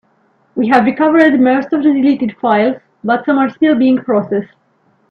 We have recovered most of the deleted files, but some are still being processed.